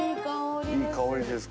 いい香りです。